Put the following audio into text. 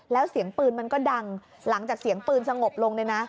แล้วเสียงปืนมันก็ดังหลังจากเสียงปืนสงบลงเนี่ยนะ